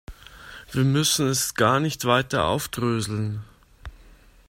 Wir müssen es gar nicht weiter aufdröseln.